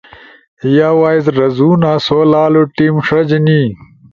یا وائس رزونا سو لالو ٹیم ݜجنی۔